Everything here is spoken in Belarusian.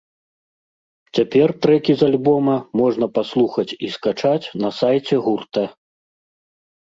Цяпер трэкі з альбома можна паслухаць і скачаць на сайце гурта.